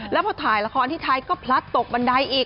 แล้วพอถ่ายละครที่ไทยก็พลัดตกบันไดอีก